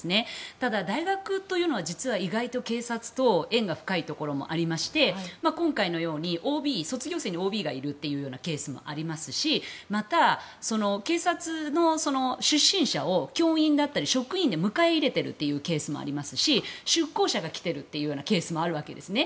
ただ、大学というのは実は意外と警察と縁が深いところがありまして今回のように卒業生にＯＢがいるというケースもありますしまた、警察の出身者を教員だったり職員を迎え入れているというケースもありますし出向者が来てるというケースもあるわけですね。